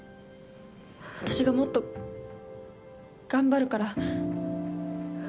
私がもっと頑張るから。